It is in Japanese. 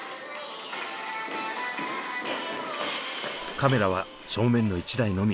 カメラは正面の１台のみ。